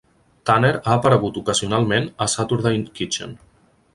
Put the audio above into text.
Tanner ha aparegut ocasionalment a "Saturday Kitchen".